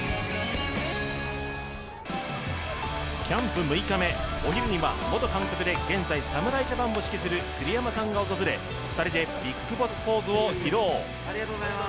キャンプ６日目、お昼には元監督で現在侍ジャパンを指揮する栗山さんが訪れ２人でビッグボスポーズを披露。